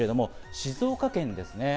静岡県ですね。